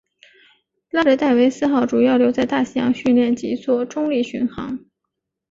接着戴维斯号主要留在大西洋训练及作中立巡航。